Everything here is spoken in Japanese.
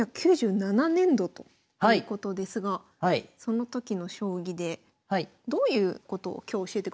１９９７年度ということですがその時の将棋でどういうことを今日教えてくださるんですか？